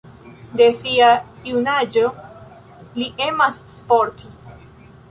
De sia junaĝo li emas sporti.